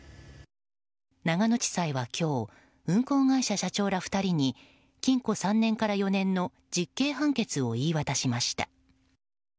長野地裁は今日運行会社社長ら２人に禁錮３年から４年の実刑判決を言い渡しました。